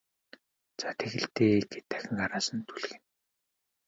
За тэг л дээ гээд дахин араас нь түлхэнэ.